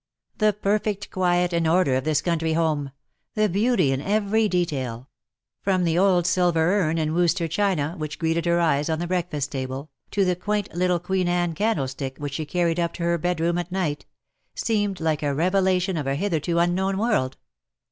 The perfect quiet and order of this country home ; the beauty in every detail — from the old silver urn and Worcester china which greeted her eyes on the breakfast table, to the quaint little Queen Anne candlestick which she carried up to her bedroom at night — seemed like a revelation of a hitherto unknown world.